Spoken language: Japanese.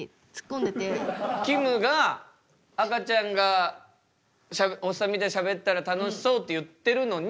きむが赤ちゃんがおっさんみたいにしゃべったら楽しそうって言ってるのに。